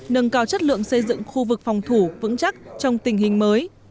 nâng cao chất lượng xây dựng khu vực phòng thủ vững chắc trong tình hình mới